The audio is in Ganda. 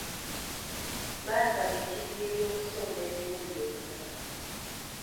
Baasaba ekidyeri okusomba emirundi emirala.